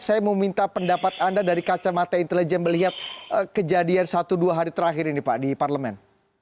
saya mau minta pendapat anda dari kacamata intelijen melihat kejadian satu dua hari terakhir ini pak di parlemen